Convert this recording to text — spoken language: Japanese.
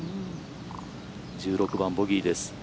１６番、ボギーです。